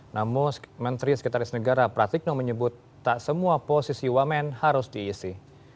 namun menteri sekretaris negara pratikno menyebut tak semua posisi wamen harus diisi